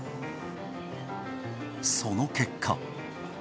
その結果。